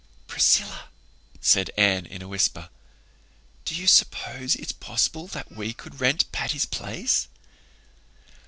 "Priscilla," said Anne, in a whisper, "do you suppose it's possible that we could rent Patty's Place?"